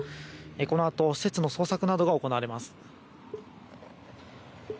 このあと施設の捜索などが行われます。